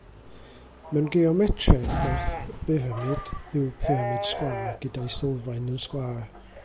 Mewn geometreg, math o byramid yw pyramid sgwâr, gyda'i sylfaen yn sgwâr.